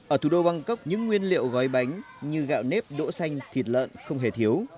ở thủ đô bangkok những nguyên liệu gói bánh như gạo nếp đỗ xanh thịt lợn không hề thiếu